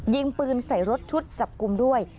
ยิงปืนใส่รถชุดจับกลุ่มด้วย